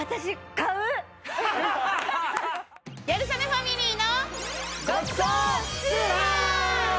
『ギャル曽根ファミリーの』。